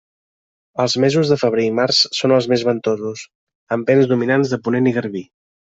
Els mesos de febrer i març són els més ventosos, amb vents dominants de ponent i garbí.